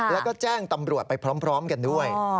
แล้วก็แจ้งตำรวจไปพร้อมกันด้วย